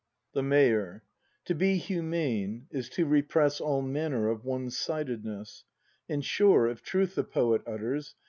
The Mayor. To be humane is to repress All manner of One sidedness. And sure, if truth the poet utters.